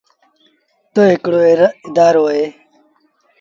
تا هڪڙو اَدآرو اهي۔